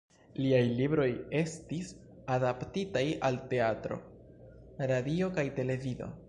Liaj libroj estis adaptitaj al teatro, radio kaj televido.